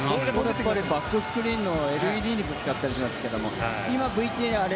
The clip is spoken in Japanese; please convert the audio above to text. バックスクリーンのＬＥＤにぶつかったりしてますけどね